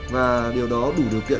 và điều đó đủ điều kiện